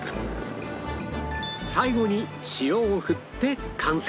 最後に塩を振って完成